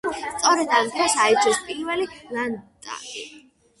სწორედ ამ დროს აირჩიეს პირველი ლანდტაგი.